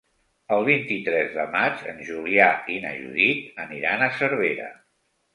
El vint-i-tres de maig en Julià i na Judit aniran a Cervera.